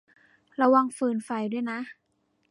ระวังฟืนไฟด้วยนะ